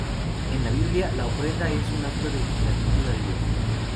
En la Biblia, la ofrenda es un acto de gratitud a Dios.